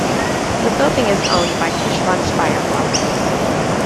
The building is owned by Tishman Speyer Properties.